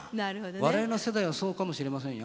我々の世代はそうかもしれませんよ。